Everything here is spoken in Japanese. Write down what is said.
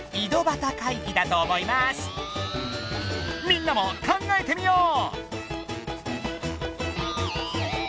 みんなも考えてみよう！